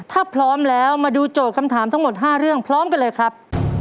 ถ้าพร้อมแล้วมาดูโจทย์คำถามทั้งหมด๕เรื่องพร้อมกันเลยครับ